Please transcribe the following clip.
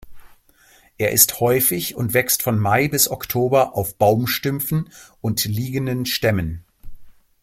Er ist häufig und wächst von Mai bis Oktober auf Baumstümpfen und liegenden Stämmen.